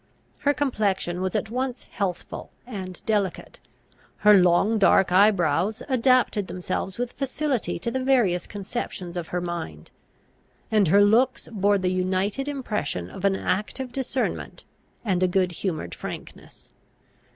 Her complexion was at once healthful and delicate; her long dark eye brows adapted themselves with facility to the various conceptions of her mind; and her looks bore the united impression of an active discernment and a good humoured frankness.